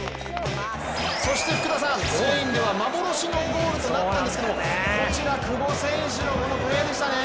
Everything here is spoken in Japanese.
そして、福田さん、スペインでは幻のゴールとなりましたがこちら久保選手のプレーでしたね。